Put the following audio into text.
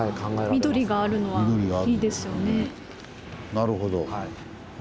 なるほど。